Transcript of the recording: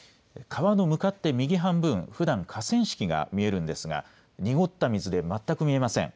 川の向かって右半分、ふだん河川敷が見えるんですが濁った水で全く見えません。